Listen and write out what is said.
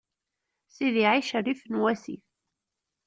Sidi Ɛic rrif n wassif.